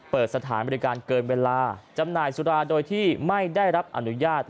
เปิดสถานบริการเกินเวลาจำหน่ายสุราโดยที่ไม่ได้รับอนุญาต